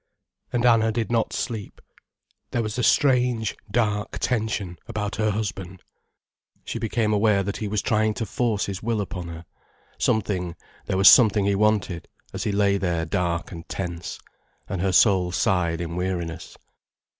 And Anna did not sleep. There was a strange, dark tension about her husband. She became aware that he was trying to force his will upon her, something, there was something he wanted, as he lay there dark and tense. And her soul sighed in weariness.